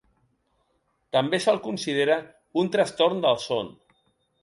També se'l considera un trastorn del son.